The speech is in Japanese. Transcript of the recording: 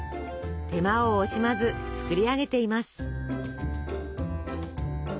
手間を惜しまず作り上げています。